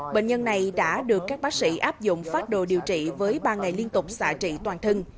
bệnh nhân này đã được các bác sĩ áp dụng phát đồ điều trị với ba ngày liên tục xả trị toàn thân